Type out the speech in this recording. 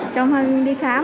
trong khi đi khám